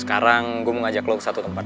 sekarang gue mau ngajak lo ke satu tempat